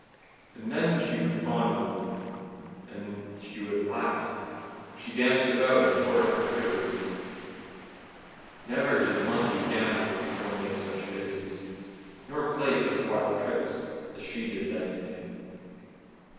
And then she would fondle me, and then she would laugh, and she danced about and tore up her fripperies. Never did monkey gambol nor make such faces, nor play such wild tricks, as she did that day.